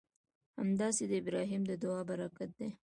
همداسې د ابراهیم د دعا برکت دی.